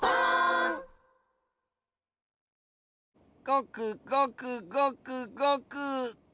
ごくごくごくごく。